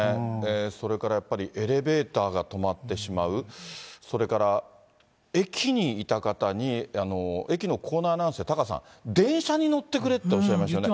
それからやっぱりエレベーターが止まってしまう、それから駅にいた方に、駅の構内アナウンスで、タカさん、電車に乗ってくれっておっしゃい言ってましたね。